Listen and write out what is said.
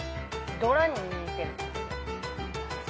「ドラ」に似てる。